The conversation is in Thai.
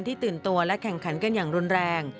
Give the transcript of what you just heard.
ตื่นตัวและแข่งขันกันอย่างรุนแรง